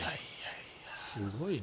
すごいな。